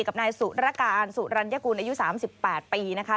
กับนายสุรการสุรัญกุลอายุ๓๘ปีนะคะ